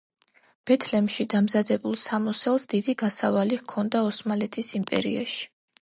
ბეთლემში დამზადებულ სამოსელს დიდი გასავალი ჰქონდა ოსმალეთის იმპერიაში.